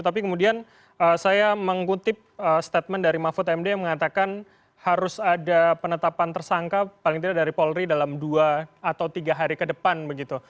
tapi kemudian saya mengutip statement dari mahfud md yang mengatakan harus ada penetapan tersangka paling tidak dari polri dalam dua atau tiga hari ke depan begitu